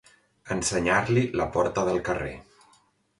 Ensenyar-li la porta del carrer.